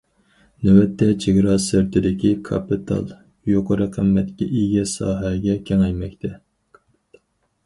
نۆۋەتتە، چېگرا سىرتىدىكى كاپىتال يۇقىرى قىممەتكە ئىگە ساھەگە كېڭەيمەكتە.